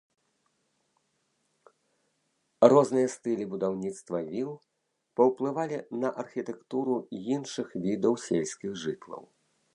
Розныя стылі будаўніцтва віл паўплывалі на архітэктуру іншых відаў сельскіх жытлаў.